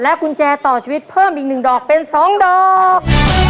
กุญแจต่อชีวิตเพิ่มอีก๑ดอกเป็น๒ดอก